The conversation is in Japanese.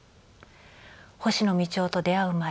星野道夫と出会う前